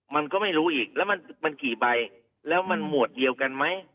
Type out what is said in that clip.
มันก็ไม่รู้อีกแล้วมันกี่ใบแล้วมันหมวดเดียวกันไหม